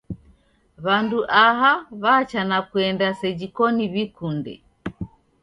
W'andu aha w'acha na kuenda seji koni w'ikunde.